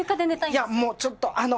いやもうちょっとあの。